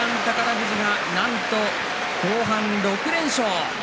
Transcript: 富士がなんと後半６連勝。